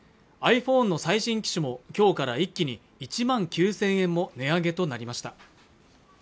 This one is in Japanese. ｉＰｈｏｎｅの最新機種も今日から一気に１万９０００円も値上げとなりました